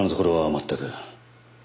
全く？